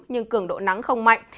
nhưng cường độ nắng không mạnh